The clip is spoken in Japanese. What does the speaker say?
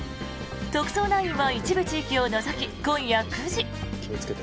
「特捜９」は一部地域を除き、今夜９時。